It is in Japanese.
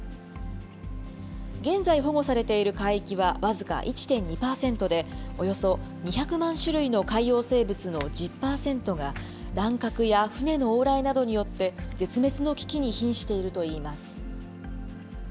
現在保護されている海域は僅か１．２％で、およそ２００万種類の海洋生物の１０％が、乱獲や船の往来などによって絶滅の危機にひんしているといいます。